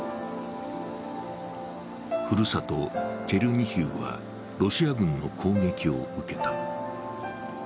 ふるさと・チェルニヒウはロシア軍の攻撃を受けた。